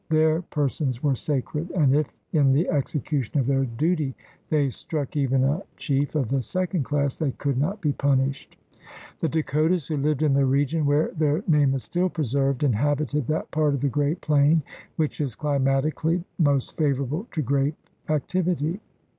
Their persons were sacred, and if in the execution of their duty they struck even a chief of the second class they could not be punished. The Dakotas, who lived in the region where their name is still preserved, inhabited that part of the great plain which is climatically most favorable to great activity.